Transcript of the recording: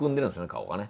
顔がね。